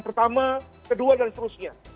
pertama kedua dan seterusnya